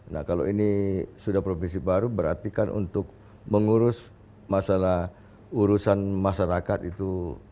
nah kalau ini sudah provinsi baru berarti kan untuk mengurus masalah urusan masyarakat itu